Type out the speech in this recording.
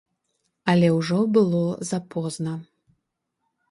Але ўжо было запозна.